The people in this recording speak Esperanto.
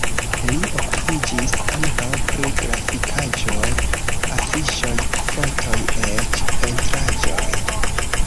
Li okupiĝis ankaŭ pri grafikaĵoj, afiŝoj, fotoj, eĉ pentraĵoj.